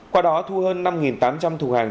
qua đó thu hơn năm tám trăm linh thùng hàng